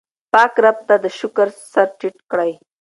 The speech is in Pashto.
پاک رب ته د شکر سر ټیټ کړئ.